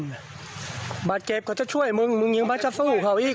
มาเจ็บเขาจะช่วยมึงมึงยังมาเจ้าหน้าที่เขาอีก